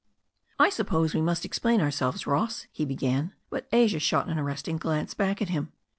"I suppose we must explain ourselves, Ross," he began. But Asia shot an arresting glance back at him.